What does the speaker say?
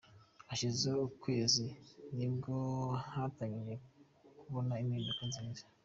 Hashize ukwezi nibwo natangiye kubona impinduka nziza .